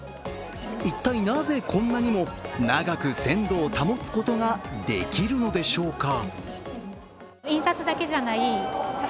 一体なぜ、こんなにも長く鮮度を保つことができるのでしょうか。